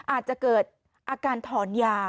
อาจจะเกิดอาการถอนยา